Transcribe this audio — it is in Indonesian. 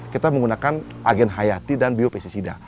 kita menggunakan agen hayati dan biopestisida